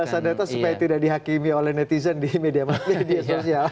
berdasarkan data supaya tidak dihakimi oleh netizen di media sosial